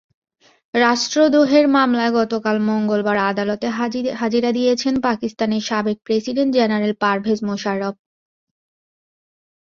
রাষ্ট্রদ্রোহের মামলায় গতকাল মঙ্গলবার আদালতে হাজিরা দিয়েছেন পাকিস্তানের সাবেক প্রেসিডেন্ট জেনারেল পারভেজ মোশাররফ।